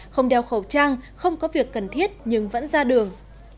không đeo khẩu trang không có việc cần thiết nhưng vẫn ra đường